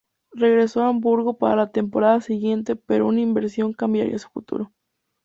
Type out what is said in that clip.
Regresó al Hamburgo para la temporada siguiente, pero una inversión cambiaría su futuro.